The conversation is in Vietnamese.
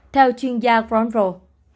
theo chuyên gia ron rowe